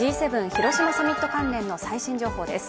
広島サミット関連の最新情報です。